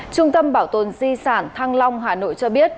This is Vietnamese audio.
trung tâm bảo tồn di sản thăng long hà nội cho biết